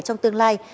trong tương lai